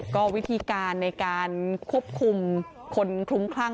ก็วิธีการในการควบคุมคนคลุ้มคลั่ง